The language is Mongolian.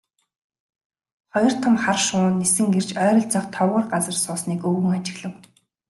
Хоёр том хар шувуу нисэн ирж ойролцоох товгор газарт суусныг өвгөн ажиглав.